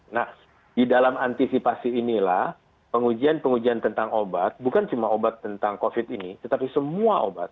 nah di dalam antisipasi inilah pengujian pengujian tentang obat bukan cuma obat tentang covid ini tetapi semua obat